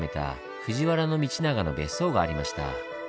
藤原道長の別荘がありました。